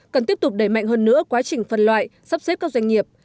cần tiếp tục đẩy mạnh hơn nữa quá trình phân loại sắp xếp các doanh nghiệp